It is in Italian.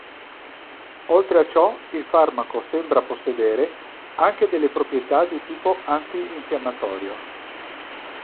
Oltre a ciò il farmaco sembra possedere anche delle proprietà di tipo antinfiammatorio.